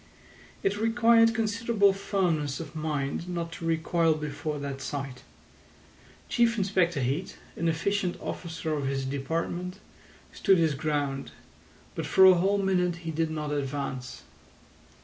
It required considerable firmness of mind not to recoil before that sight. Chief Inspector Heat, an efficient officer of his department, stood his ground, but for a whole minute he did not advance.